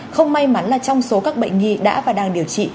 không may mắn là trong số các bệnh nhi đã và đang điều trị